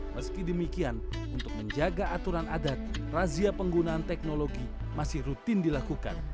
meski demikian untuk menjaga aturan adat razia penggunaan teknologi masih rutin dilakukan